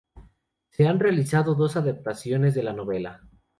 Se han realizado dos adaptaciones de la novela.